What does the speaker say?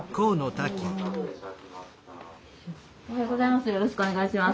おはようございます。